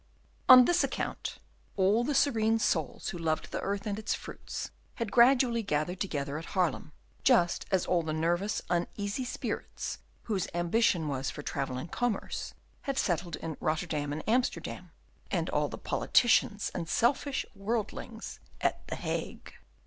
On this account all the serene souls who loved the earth and its fruits had gradually gathered together at Haarlem, just as all the nervous, uneasy spirits, whose ambition was for travel and commerce, had settled in Rotterdam and Amsterdam, and all the politicians and selfish worldlings at the Hague.